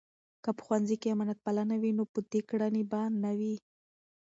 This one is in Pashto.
که په ښوونځۍ کې امانتپالنه وي، نو بدې کړنې به نه وي.